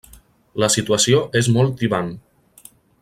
La situació és molt tibant.